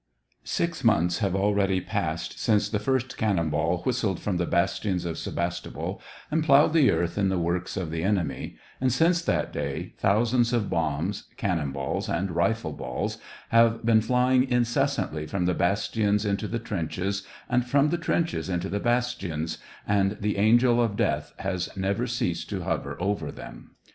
Six months have already passed since the first cannon ball whistled from the bastions of Sevas topol, and ploughed the earth in the works of the enemy, and since that day thousands of bombs, cannon balls, and rifle balls have been flying in cessantly from the bastions into the trenches and from the trenches into the bastions, and the angel of death has never ceased to hover over them.